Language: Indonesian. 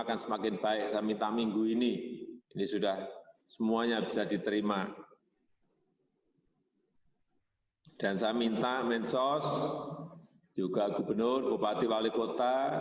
dan saya minta mensos juga gubernur bupati wali kota